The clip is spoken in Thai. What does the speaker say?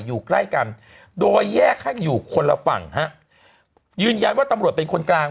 อยู่ใกล้กันโดยแยกให้อยู่คนละฝั่งฮะยืนยันว่าตำรวจเป็นคนกลาง